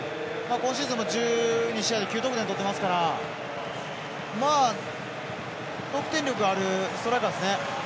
今シーズンも１２試合で９得点取っていますから得点力のあるストライカーですね。